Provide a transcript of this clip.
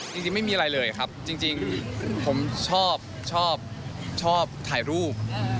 จริงไม่มีอะไรเลยครับจริงผมชอบชอบถ่ายรูป